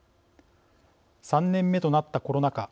３年目となったコロナ禍。